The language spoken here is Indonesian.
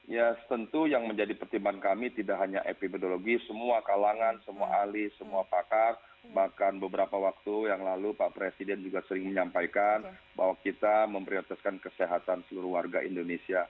ya tentu yang menjadi pertimbangan kami tidak hanya epidemiologi semua kalangan semua ahli semua pakar bahkan beberapa waktu yang lalu pak presiden juga sering menyampaikan bahwa kita memprioritaskan kesehatan seluruh warga indonesia